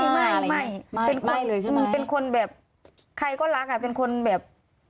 ไม่เป็นคนแบบใครก็รักเป็นคนแบบ